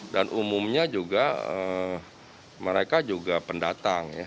dan umumnya juga mereka juga pendatang ya